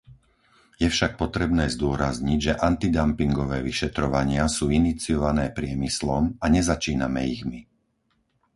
Je však potrebné zdôrazniť, že antidampingové vyšetrovania sú iniciované priemyslom a nezačíname ich my.